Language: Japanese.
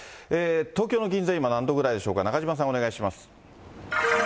東京の銀座、今、何度ぐらいでしょうか、中島さんお願いします。